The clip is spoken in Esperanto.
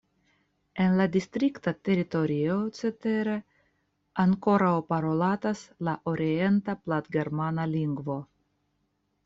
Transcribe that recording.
En la distrikta teritorio cetere ankoraŭ parolatas la orienta platgermana lingvo.